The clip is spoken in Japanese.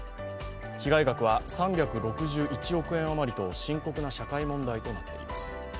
被害額は３６１億円余りと深刻な社会問題となっています。